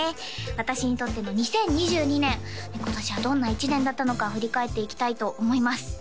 私にとっての２０２２年今年はどんな１年だったのか振り返っていきたいと思います